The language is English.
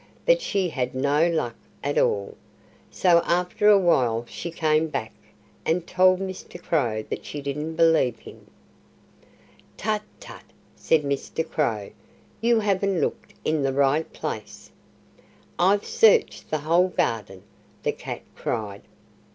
But she had no luck at all. So after a while she came back and told Mr. Crow that she didn't believe him. "Tut, tut!" said Mr. Crow. "You haven't looked in the right place." "I've searched the whole garden!" the cat cried.